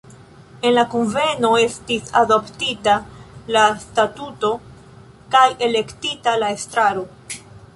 En la kunveno estis adoptita la statuto kaj elektita la estraro.